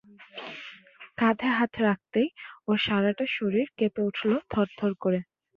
কাঁধে হাত রাখতেই ওর সারাটা শরীর কেঁপে উঠল থরথর করে।